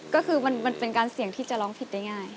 ก็คือมันเป็นการเสี่ยงที่จะร้องผิดได้ง่าย